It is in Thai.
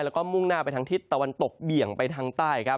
แล้วก็มุ่งหน้าไปทางทิศตะวันตกเบี่ยงไปทางใต้ครับ